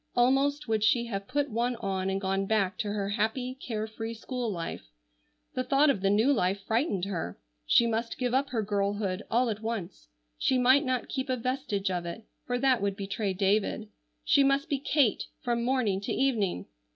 Almost would she have put one on and gone back to her happy care free school life. The thought of the new life frightened her. She must give up her girlhood all at once. She might not keep a vestige of it, for that would betray David. She must be Kate from morning to evening.